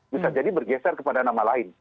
bisa jadi bergeser kepada nama lain